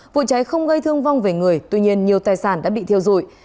vụ cháy không gây thương vong về người tuy nhiên nhiều tài sản đã bị thiêu dụi